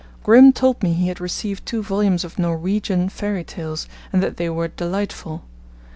Grimm told me he had received two volumes of Norwegian fairy tales, and that they were delightful.